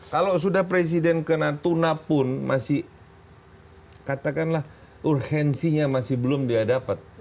kalau sudah presiden ke natuna pun masih katakanlah urgensinya masih belum dia dapat